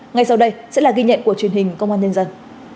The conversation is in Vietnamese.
ngay sau đây sẽ là ghi nhận của truyền hình công an nhân dân